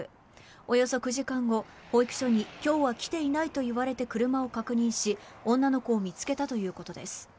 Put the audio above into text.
およそ９時間後保育所に今日は来ていないと言われて車を確認し、女の子を見つけたということです。